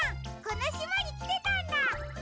このしまにきてたんだ！